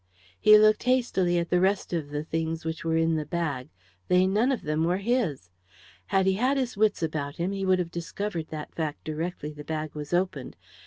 He looked hastily at the rest of the things which were in the bag they none of them were his. Had he had his wits about him he would have discovered that fact directly the bag was opened.